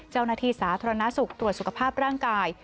เจ้าหน้าที่สาธารณสุขตรวจสุขภาพร่างกาย